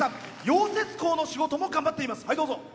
溶接工の仕事も頑張っています。